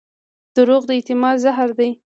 دروغ د اعتماد زهر دي.